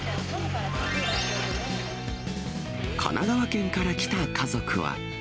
神奈川県から来た家族は。